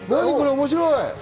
面白い！